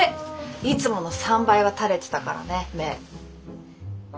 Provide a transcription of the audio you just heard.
いつもの３倍は垂れてたからね目。